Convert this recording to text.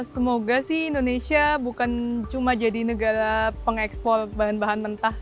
semoga sih indonesia bukan cuma jadi negara pengekspor bahan bahan mentah